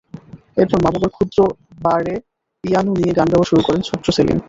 এরপর মা-বাবার ক্ষুদ্র বারে পিয়ানো নিয়ে গান গাওয়া শুরু করেন ছোট্ট সেলিন।